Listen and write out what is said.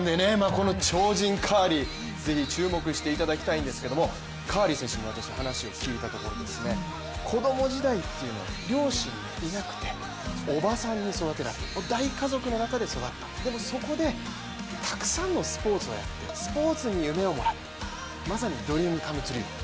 この超人カーリー、是非注目していただきたいんですけどもカーリー選手に私、話を聞いたところ子供時代というのは両親、いなくておばさんに育てられた大家族の中で育った、でもそこでたくさんのスポーツをやってスポーツに夢をもらったまさにドリーム・カム・トゥルー